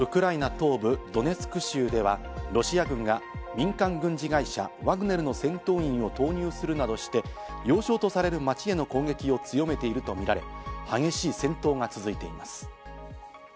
東部ドネツク州ではロシア軍が民間軍事会社・ワグネルの戦闘員を投入するなどして要衝とされる街への攻撃を強めているとみられ激しい戦闘が続いています。